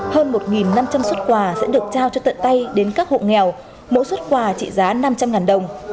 hơn một năm trăm linh xuất quà sẽ được trao cho tận tay đến các hộ nghèo mỗi xuất quà trị giá năm trăm linh đồng